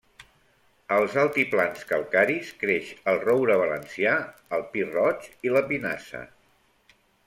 Als altiplans calcaris creix el roure valencià, el pi roig i la pinassa.